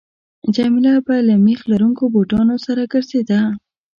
جميله به له میخ لرونکو بوټانو سره ګرځېده.